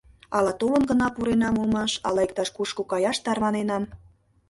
Ала толын гына пуренам улмаш, ала иктаж-кушко каяш тарваненам.